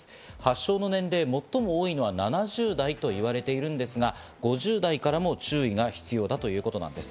発症の年齢、最も多いのは７０代と言われているんですが、５０代からも注意が必要だということなんです。